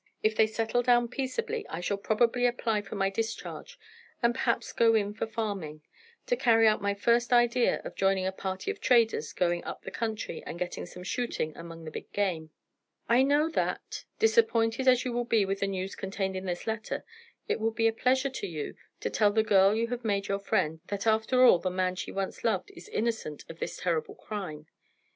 If they settle down peaceably I shall probably apply for my discharge, and perhaps go in for farming, or carry out my first idea of joining a party of traders going up the country, and getting some shooting among the big game. "I know that, disappointed as you will be with the news contained in this letter, it will be a pleasure to you to tell the girl you have made your friend, that after all the man she once loved is innocent of this terrible crime.